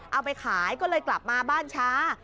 เอาไปขายก็เลยกลับมาบ้านช้า